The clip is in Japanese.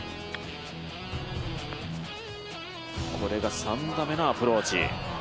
これが３打目のアプローチ。